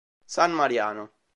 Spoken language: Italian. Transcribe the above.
San Mariano